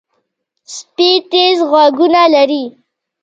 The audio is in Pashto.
سپي تیز غوږونه لري.